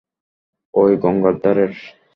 ঐ গঙ্গার ধারের?